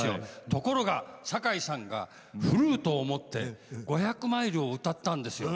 ところが堺さんがフルートを持って「５００マイル」を歌ったんですよ。